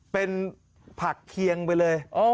เป็นผักเคียงไปเลย